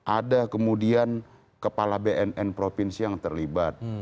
ada kemudian kepala bnn provinsi yang terlibat